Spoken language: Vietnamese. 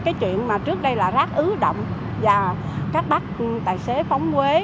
cái chuyện mà trước đây là rác ứ động và các bác tài xế phóng quế